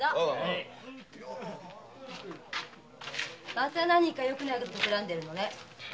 またよくない事たくらんでるのね？